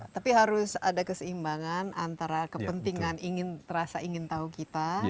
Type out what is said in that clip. tapi harus ada keseimbangan antara kepentingan ingin terasa ingin tahu kita